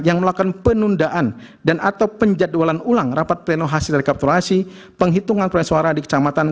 yang melakukan penundaan dan atau penjadwalan ulang rapat pleno hasil rekapitulasi penghitungan suara di kecamatan